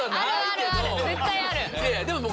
絶対ある！